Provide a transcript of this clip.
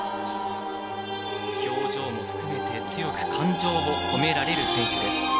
表情も含めて強く感情を込められる選手です。